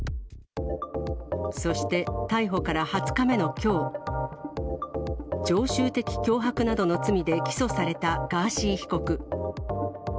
そして、逮捕から２０日目のきょう、常習的脅迫などの罪で起訴されたガーシー被告。